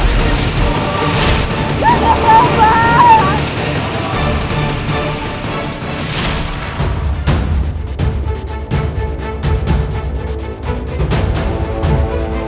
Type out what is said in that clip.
tidak ada seorang pun yang bisa melukai